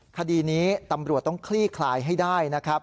คดีนี้ตำรวจต้องคลี่คลายให้ได้นะครับ